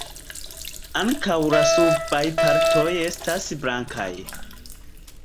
Ankaŭ la subaj partoj estas blankaj.